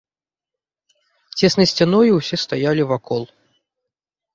Цеснай сцяною ўсе стаялі вакол.